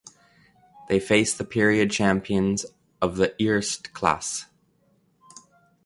They face the period champions of the Eerste Klasse.